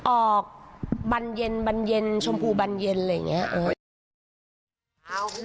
ออกบรรเย็นชมพูบรรเย็นอะไรอย่างนี้